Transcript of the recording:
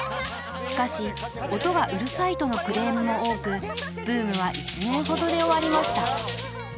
［しかし音がうるさいとのクレームも多くブームは１年ほどで終わりました］